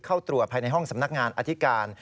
เข้าตรวจภายในห้องสำนักงานอธิการ